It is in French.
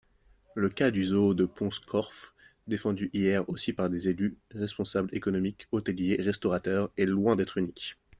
Le cas du zoo de Pont-Scorff, défendu hier aussi par des élus, responsables économiques, hôteliers, restaurateurs, est loin d'être unique.